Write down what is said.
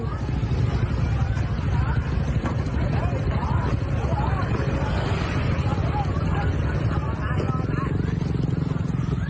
เบิด